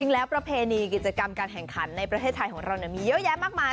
ประเพณีกิจกรรมการแข่งขันในประเทศไทยของเรามีเยอะแยะมากมาย